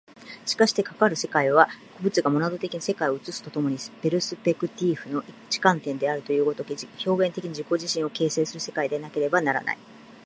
しかしてかかる世界は、個物がモナド的に世界を映すと共にペルスペクティーフの一観点であるという如き、表現的に自己自身を形成する世界でなければならない。